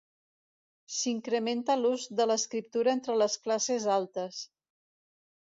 S'incrementa l'ús de l'escriptura entre les classes altes.